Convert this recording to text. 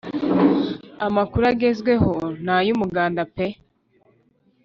amakuru agezweho na yumuganda pe